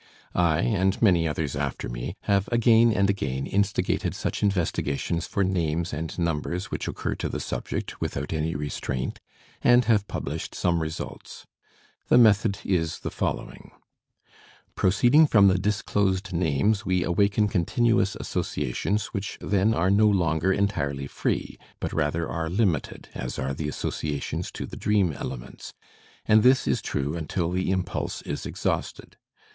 I, and many others after me, have again and again instigated such investigations for names and numbers which occur to the subject without any restraint, and have published some results. The method is the following: Proceeding from the disclosed names, we awaken continuous associations which then are no longer entirely free, but rather are limited as are the associations to the dream elements, and this is true until the impulse is exhausted.